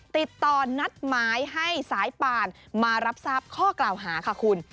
ติดต่อนัดหมายให้สายป่านมารับทราบข้อกล่าวหาค่ะคุณ